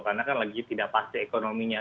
karena kan lagi tidak pasti ekonominya